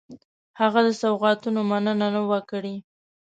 هغه د سوغاتونو مننه نه وه کړې.